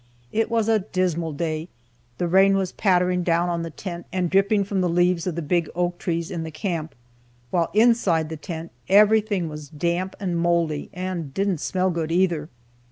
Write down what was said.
It was a dismal day, the rain was pattering down on the tent and dripping from the leaves of the big oak trees in the camp, while inside the tent everything was damp and mouldy and didn't smell good either.